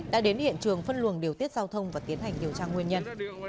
đã đến hiện trường phân luồng điều tiết giao thông và tiến hành điều tra nguyên nhân